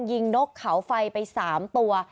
ยิงนกขาวไฟไป๓ตัว